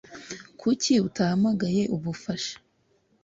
Kuki utahamagaye ubufasha